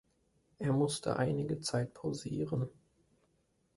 Er musste einige Zeit pausieren.